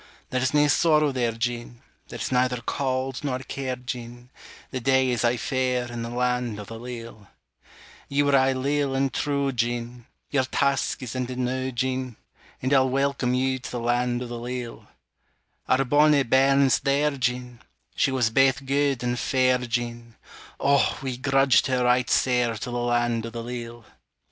There's nae sorrow there, Jean, There's neither cauld nor care, Jean, The day is aye fair In the land o' the leal. Ye were aye leal and true, Jean; Your task's ended noo, Jean, And I'll welcome you To the land o' the leal. Our bonnie bairn 's there, Jean, She was baith guid and fair, Jean: O, we grudged her right sair To the land o' the leal!